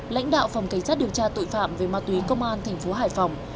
lãnh đạo phòng cảnh sát điều tra tội phạm về ma túy công an thành phố hải phòng